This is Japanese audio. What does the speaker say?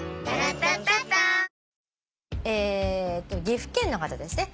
岐阜県の方ですね。